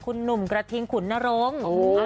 คุณหนุ่มกระทิงขุนนรงค์